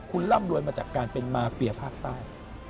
คุณร่ำรวยมาจากการเป็นมาเฟียภาคใต้